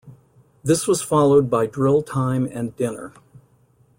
This was followed by drill time and dinner.